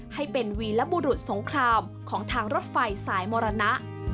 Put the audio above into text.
ให้เป็นวีรบุรุษสงครามของทางรถไฟสายมรณะ